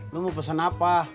mau pesen apa